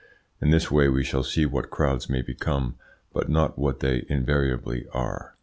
In this way we shall see what crowds may become, but not what they invariably are.